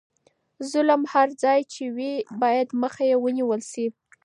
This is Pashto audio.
ظلم هر ځای چې وي باید مخه یې ونیول شي.